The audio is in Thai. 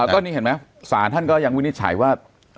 คราวนี้หายาท่านก็ยังวินิจฉัยว่า